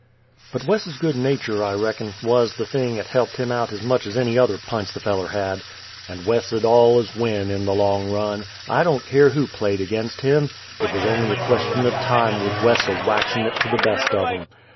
But Wes's good nature, I reckon, was the thing 'at he'ped him out as much as any other p'ints the feller had. And Wes 'ud allus win, in the long run! I don't keer who played ag'inst him! It was on'y a question o' time with Wes o' waxin' it to the best of 'em.